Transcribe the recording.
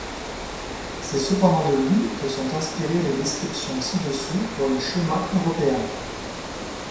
C'est cependant de lui que sont inspirées les descriptions ci-dessous pour les chemins européens.